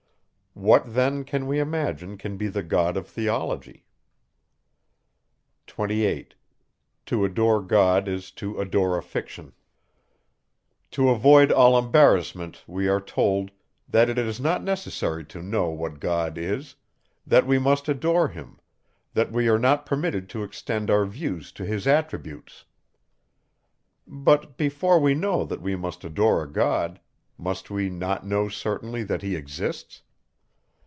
What then, can we imagine, can be the God of theology? 28. To avoid all embarrassment, we are told, "that it is not necessary to know what God is; that we must adore him; that we are not permitted to extend our views to his attributes." But, before we know that we must adore a God, must we not know certainly, that he exists?